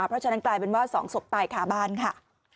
เพราะฉะนั้นกลายเป็นว่า๒ศพตายขาบ้านค่ะ